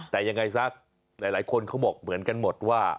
แต่ยังไงซะหลายคนเขาบอกเหมือนกันหมดว่า